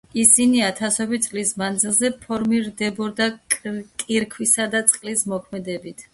ისინი ათასობით წლის მანძილზე ფორმირდებოდა კირქვისა და წყლის მოქმედებით.